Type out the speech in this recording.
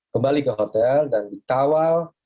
kembali ke hotel dan dikawal